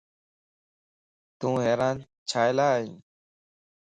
تون حيران ڇيلاٿين؟